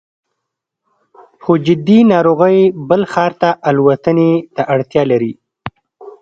خو جدي ناروغۍ بل ښار ته الوتنې ته اړتیا لري